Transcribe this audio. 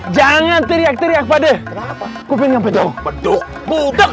jangan teriak teriak padahal pengen nyampe dong